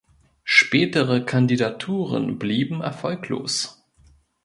Spätere Kandidaturen blieben erfolglos.